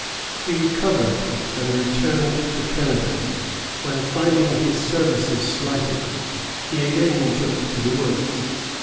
He recovered, and returned to Canada, when, finding his services slighted, he again took to the woods.